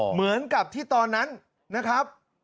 เหมือนกับที่ตอนนั้นนะครับ